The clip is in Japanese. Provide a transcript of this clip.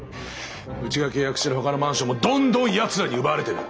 うちが契約してるほかのマンションもどんどんヤツらに奪われてる。